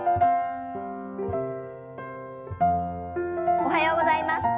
おはようございます。